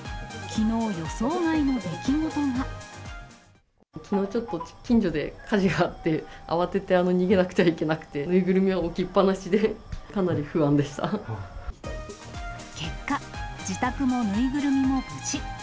きのうちょっと近所で火事があって、慌てて逃げなくちゃいけなくて、縫いぐるみを置きっ放しで、結果、自宅も縫いぐるみも無事。